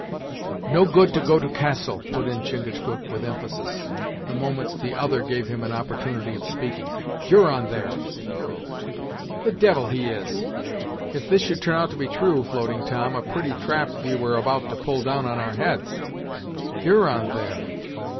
"No good to go to Castle," put in Chingachgook with emphasis, the moment the other gave him an opportunity of speaking. "Huron there." "The devil he is! If this should turn out to be true, Floating Tom, a pretty trap were we about to pull down on our heads! Huron, there!